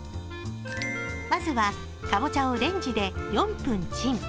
まずはかぼちゃをレンジで４分チン。